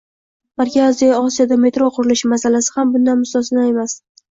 Markaziy Osiyoda metro qurilishi masalasi ham bundan mustasno emas